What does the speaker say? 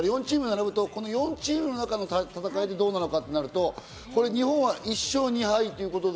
４チーム並ぶと、この４チームの中の戦いでどうなのかとなると、日本は１勝２敗。